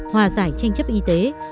hòa giải tranh chấp y tế